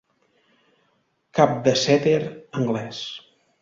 Cap de Setter Anglès.